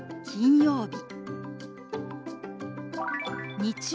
金曜日。